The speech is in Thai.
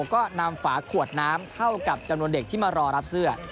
ก็นำฝาขวดน้ำเท่ากับจำนวนเด็กที่มารอรับเสื้อ